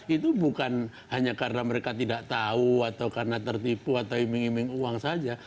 itu bukan hanya karena mereka tidak tahu atau karena tertipu atau iming iming uang saja